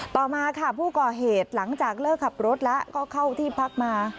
ต่อมาค่ะผู้ก่อเหตุหลังจากเลิกขับรถแล้วก็เข้าที่พักมา